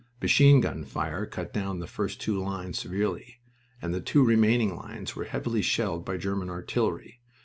Machine gun fire cut down the first two lines severely and the two remaining lines were heavily shelled by German artillery.